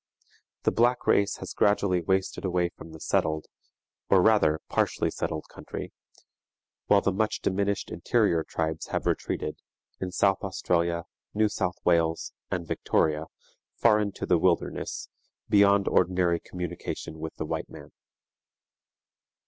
The black race has gradually wasted away from the settled, or rather partially settled country, while the much diminished interior tribes have retreated, in South Australia, New South Wales, and Victoria, far into the wilderness, beyond ordinary communication with the white man.